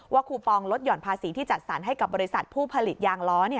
คูปองลดห่อนภาษีที่จัดสรรให้กับบริษัทผู้ผลิตยางล้อ